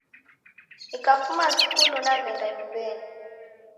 Nikafuma skuli naw'eenda nyumbenyi